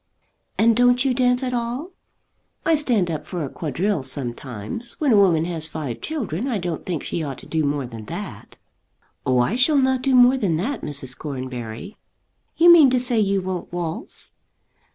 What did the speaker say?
"And don't you dance at all?" "I stand up for a quadrille sometimes. When a woman has five children I don't think she ought to do more than that." "Oh, I shall not do more than that, Mrs. Cornbury." "You mean to say you won't waltz?"